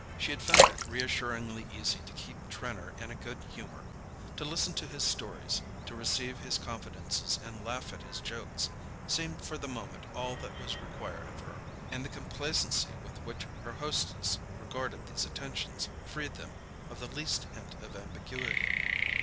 She had found it reassuringly easy to keep Trenor in a good humour. To listen to his stories, to receive his confidences and laugh at his jokes, seemed for the moment all that was required of her, and the complacency with which her hostess regarded these attentions freed them of the least hint of ambiguity.